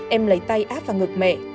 em lấy tay áp vào ngực mẹ